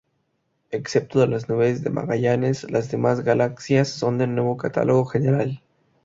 Excepto las Nubes de Magallanes, las demás galaxias son del Nuevo Catálogo General